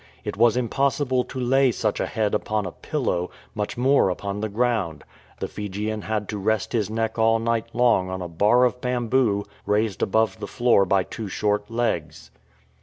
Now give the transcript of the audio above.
It was impossible to lay such a head upon a pillow, much more upon the ground. The Fijian had to rest his neck all night long on a bar of bamboo raised above the floor by two short legs.